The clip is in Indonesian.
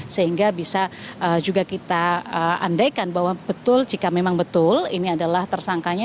sehingga bisa juga kita andaikan bahwa betul jika memang betul ini adalah tersangkanya